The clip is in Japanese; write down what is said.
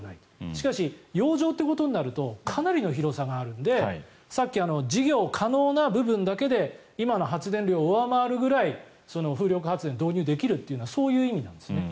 しかし、洋上ということになるとかなりの広さがあるのでさっき、事業可能な部分だけで今の発電量を上回るぐらい風力発電を導入できるのはそういう意味なんですね。